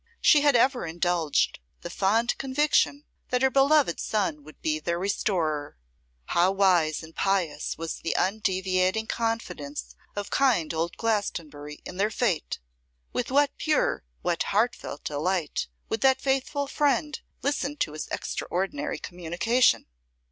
She had ever indulged the fond conviction that her beloved, son would be their restorer. How wise and pious was the undeviating confidence of kind old Glastonbury in their fate! With what pure, what heart felt delight, would that faithful friend listen to his extraordinary communication!